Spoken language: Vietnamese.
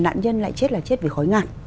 nạn nhân lại chết là chết vì khói ngạn